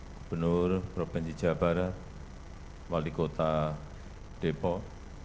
gubernur provinsi jawa barat wali kota depok